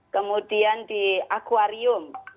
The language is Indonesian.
kemudian di akwarium